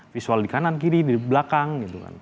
visual di kanan kiri di belakang gitu kan